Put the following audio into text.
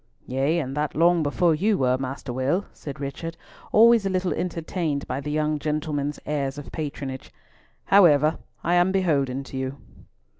"Yea, and that long before you were, Master Will," said Richard, always a little entertained by the young gentleman's airs of patronage. "However, I am beholden to you."